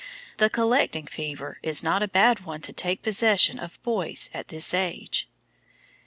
The collecting fever is not a bad one to take possession of boys at this age.